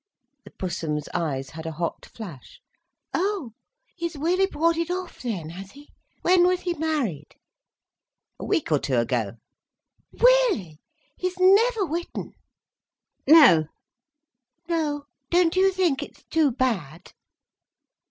The Pussum's eyes had a hot flash. "Oh, he's weally bwought it off then, has he? When was he married?" "A week or two ago." "Weally! He's never written." "No." "No. Don't you think it's too bad?"